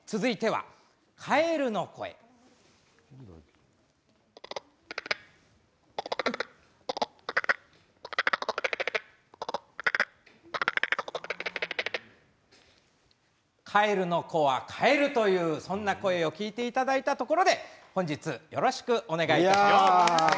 鳴きまねカエルの子はカエルというそんな声を聞いていただいたことで本日よろしくお願いいたします。